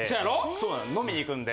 そう飲みに行くんで。